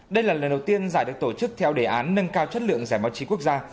đây là lần đầu tiên giải được tổ chức theo đề án nâng cao chất lượng giải báo chí quốc gia